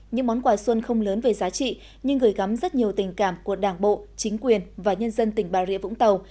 những món quà xuân không lớn về giá trị nhưng gửi gắm rất nhiều tình cảm của đảng bộ chính quyền và nhân dân tỉnh bà rịa vũng tàu